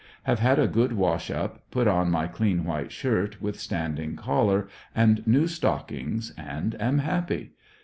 Have had a good wash up, put on my clean white shirt with standing collar, and new stockings and am happy.